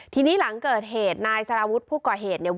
ทีนี้หลังเกิดเหตุนายสารวุฒิผู้ก่อเหตุเนี่ย